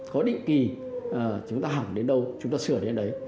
có định kỳ chúng ta hỏng đến đâu chúng ta sửa đến đấy